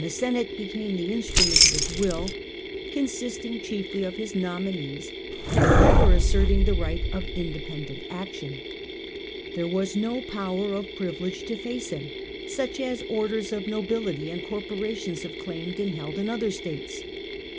Senate became the instrument of his will, consisting chiefly of his nominees, and never asserting the right of independent action. There was no power of privilege to face him, such as orders of nobility and cor porations have claimed and held in other states.